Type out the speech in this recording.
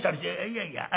「いやいや。